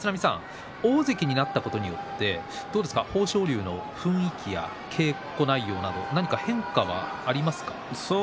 大関になったことによって豊昇龍への雰囲気や稽古内容など変化はありますか？